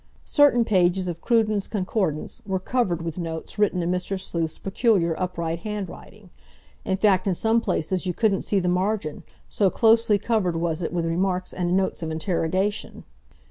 Certain pages of Cruden's Concordance were covered with notes written in Mr. Sleuth's peculiar upright handwriting. In fact in some places you couldn't see the margin, so closely covered was it with remarks and notes of interrogation.